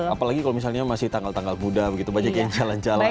apalagi kalau misalnya masih tanggal tanggal muda begitu banyak yang jalan jalan